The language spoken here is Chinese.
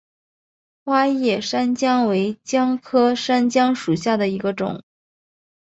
花叶山姜为姜科山姜属下的一个种。